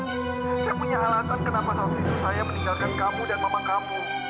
saya punya alasan kenapa waktu itu saya meninggalkan kamu dan mama kamu